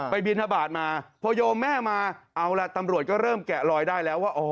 บินทบาทมาพอโยมแม่มาเอาล่ะตำรวจก็เริ่มแกะลอยได้แล้วว่า